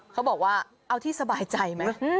เขาบอกว่าเอาที่สบายใจไหม